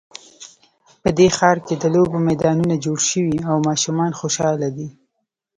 په دې ښار کې د لوبو میدانونه جوړ شوي او ماشومان خوشحاله دي